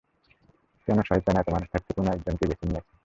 কেন শয়তান এত মানুষ থাকতে কোনও একজনকেই বেছে নিচ্ছে?